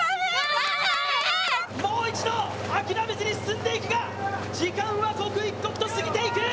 もう一度諦めずに進んでいくが、時間は刻一刻と進んでいく。